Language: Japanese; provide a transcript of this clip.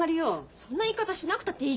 そんな言い方しなくたっていいじゃない。